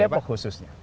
di depok khususnya